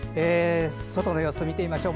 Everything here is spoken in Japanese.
外の様子を見てみましょう。